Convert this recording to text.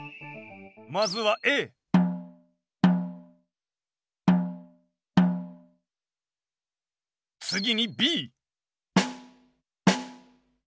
まずはＡ次にＢ